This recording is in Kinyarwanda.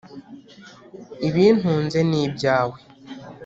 ibintunze n’ibyawe